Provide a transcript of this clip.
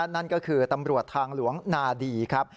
นั่นก็คือตำรวจทางหลวงนาดีครับ